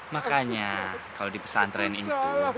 makanya kalau dipesantren itu